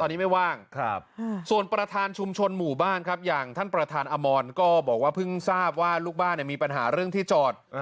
ตอนนี้ไม่ว่างส่วนประธานชุมชนหมู่บ้านครับอย่างท่านประธานอมรก็บอกว่าเพิ่งทราบว่าลูกบ้านมีปัญหาเรื่องที่จอด